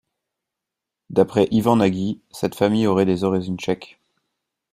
D'après Ivan Nagy, cette famille aurait des origines tchèques.